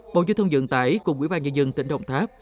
bộ dự thông dựng tải cùng quỹ ban nhà dân tỉnh đồng tháp